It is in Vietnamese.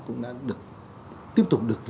cũng đã được tiếp tục được